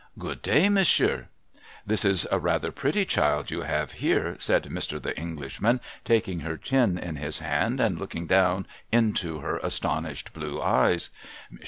' Good day, monsieur.' ' This is a rather pretty cliild you have here,' said Mr. The Englishman, taking her chin in his hand, and looking down into her astonished blue eyes.